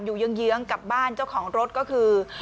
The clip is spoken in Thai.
เยื้องกับบ้านเจ้าของรถก็คือ